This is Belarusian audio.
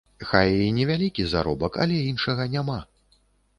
Хай і невялікі заробак, але іншага няма.